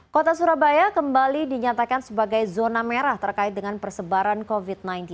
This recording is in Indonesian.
kota surabaya kembali dinyatakan sebagai zona merah terkait dengan persebaran covid sembilan belas